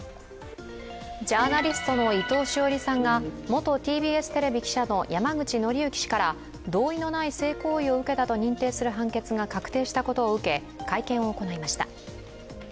ジャーナリストの伊藤詩織さんが元ＴＢＳテレビ記者の山口敬之氏から同意のない性行為を受けたと認定する判決が確定したことを受け、会見を行いました。